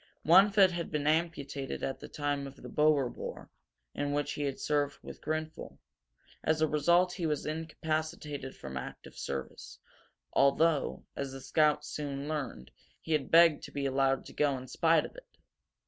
One foot had been amputated at the time of the Boer War, in which he had served with Grenfel. As a result he was incapacitated from active service, although, as the scouts soon learned, he had begged to be allowed to go in spite of it.